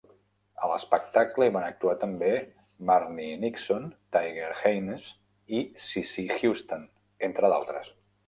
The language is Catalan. A l'espectacle hi van actuar també Marni Nixon, Tiger Haynes i Cissy Houston, entre d'altres.